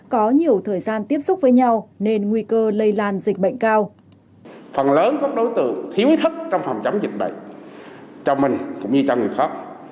có nhiều thời gian tiếp xúc với nhau nên nguy cơ lây lan dịch bệnh cao